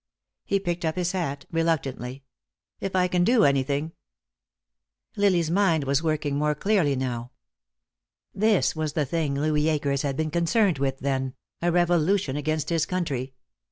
He picked up his hat, reluctantly. "If I can do anything " Lily's mind was working more clearly now. This was the thing Louis Akers had been concerned with, then, a revolution against his country.